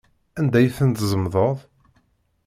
Anda i ten-tzemḍeḍ?